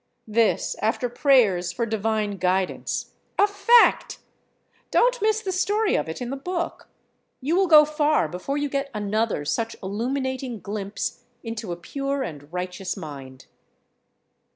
This after prayers for divine guidance. A fact! Don't miss the story of it in the book. You will go far before you get another such illuminating glimpse into a pure and righteous mind.